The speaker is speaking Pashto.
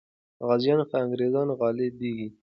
غازیان پر انګریزانو غالبېږي.